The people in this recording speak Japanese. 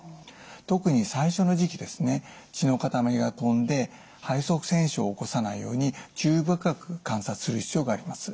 特に最初の時期ですね血の塊がとんで肺塞栓症を起こさないように注意深く観察する必要があります。